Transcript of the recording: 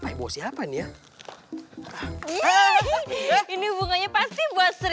ini bunganya pasti buat sri